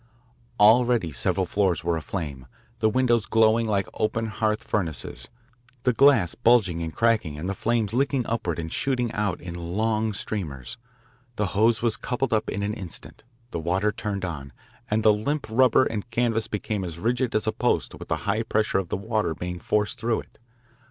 Already several floors were aflame, the windows glowing like open hearth furnaces, the glass bulging and cracking and the flames licking upward and shooting out in long streamers. The hose was coupled up in an instant, the water turned on, and the limp rubber and canvas became as rigid as a post with the high pressure of the water being forced through it.